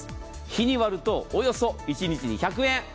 日に割るとおよそ１日に１００円。